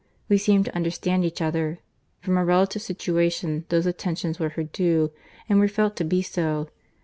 We seemed to understand each other. From our relative situation, those attentions were her due, and were felt to be so.